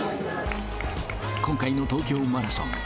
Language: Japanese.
今回の東京マラソン。